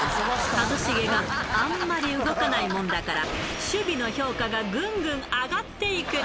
一茂があんまり動かないもんだから、守備の評価がぐんぐん上がっていく。